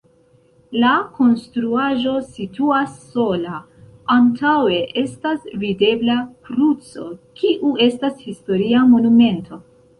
La konstruaĵo situas sola, antaŭe estas videbla kruco, kiu estas historia monumento.